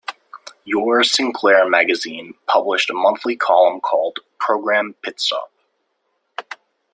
"Your Sinclair" magazine published a monthly column called "Program Pitstop".